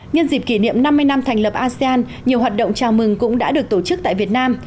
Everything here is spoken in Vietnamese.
nhân dịp kỷ niệm năm mươi năm thành lập asean nhiều hoạt động chào mừng cũng đã được tổ chức tại việt nam